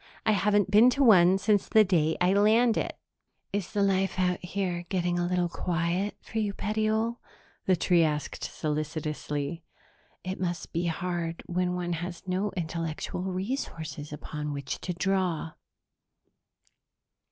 I haven't been to one since the day I landed." "Is the life out here getting a little quiet for you, petiole?" the tree asked solicitously. "It must be hard when one has no intellectual resources upon which to draw."